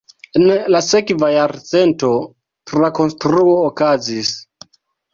En la sekva jarcento trakonstruo okazis.